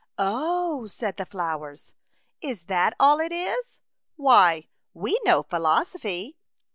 " Oh !" said the flowers, '' is that all it is ? Why, we know philoso phy."